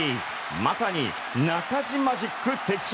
まさに、ナカジマジック的中！